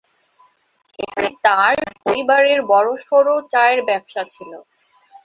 সেখানে তাঁর পরিবারের বড়সড় চায়ের ব্যবসা ছিল।